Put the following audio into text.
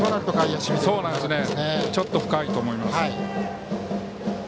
ちょっと深いと思います。